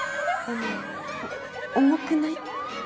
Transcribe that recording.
重くない？